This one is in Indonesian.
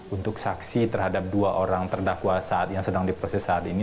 untuk saksi terhadap dua orang terdakwa saat yang sedang diproses saat ini